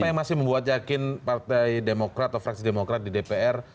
apa yang masih membuat yakin partai demokrat atau fraksi demokrat di dpr